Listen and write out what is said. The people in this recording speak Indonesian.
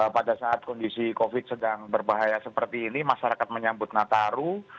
pada saat kondisi covid sedang berbahaya seperti ini masyarakat menyambut nataru